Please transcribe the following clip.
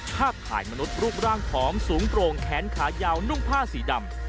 ภาพถ่ายมนุษย์รูปร่างผอมสูงโปร่งแขนขายาวนุ่งผ้าสีดำ